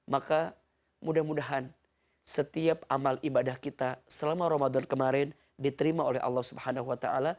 maka mudah mudahan setiap amal ibadah kita selama ramadan kemarin diterima oleh allah swt